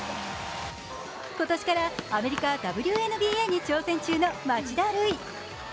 今年からアメリカＷＮＢＡに挑戦中の町田瑠唯。